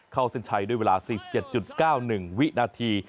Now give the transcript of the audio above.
เส้นชัยด้วยเวลา๔๗๙๑วินาที